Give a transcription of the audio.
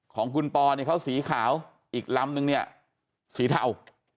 ของคุณปอเนี่ยเขาสีขาวอีกลำนึงเนี่ยสีเทา